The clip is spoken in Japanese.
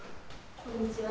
こんにちは。